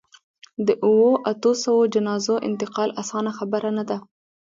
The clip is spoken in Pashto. د اوو، اتو سووو جنازو انتقال اسانه خبره نه ده.